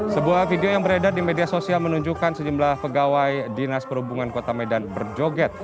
sebuah video yang beredar di media sosial menunjukkan sejumlah pegawai dinas perhubungan kota medan berjoget